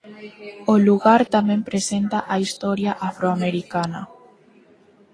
O lugar tamén presenta a historia afroamericana.